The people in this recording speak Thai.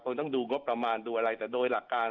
ต้องดูงบประมาณดูอะไรแต่โดยหลักการ